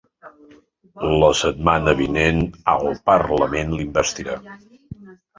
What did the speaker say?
La setmana vinent el parlament l’investirà.